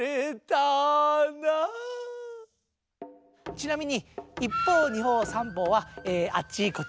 ちなみに一方二方三方はあっちこっち